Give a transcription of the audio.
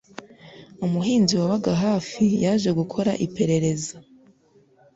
Umuhinzi wabaga hafi yaje gukora iperereza.